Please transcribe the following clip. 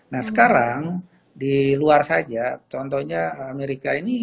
nah sekarang di luar saja contohnya amerika ini